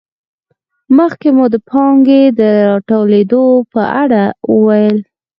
مخکې مو د پانګې د راټولېدو په اړه وویل